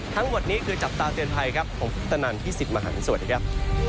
ทั้งหมดนี้คือจับตาเตือนภัยครับผมพุทธนันพี่สิทธิ์มหันฯสวัสดีครับ